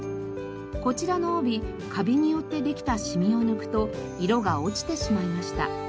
こちらの帯カビによってできたしみを抜くと色が落ちてしまいました。